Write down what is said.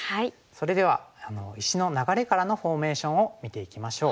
それでは石の流れからのフォーメーションを見ていきましょう。